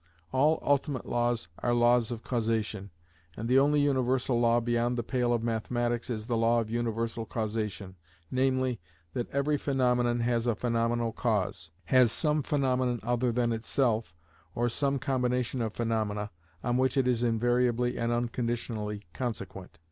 All ultimate laws are laws of causation, and the only universal law beyond the pale of mathematics is the law of universal causation, namely, that every phaenomenon has a phaenomenal cause; has some phaenomenon other than itself, or some combination of phaenomena, on which it is invariably and unconditionally consequent.